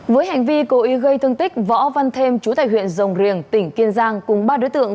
với hành vi cội gây thương tích võ văn thêm chú tài huyện rồng riềng tỉnh kiên giang cùng ba đối tượng